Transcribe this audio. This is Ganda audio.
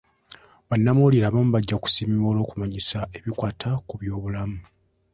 Bannamawulire abamu bajja kusiimibwa olw'okumanyisa ebikwata ku by'obulamu.